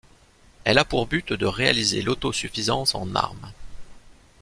Elle a pour but de réaliser l'autosuffisance en armes.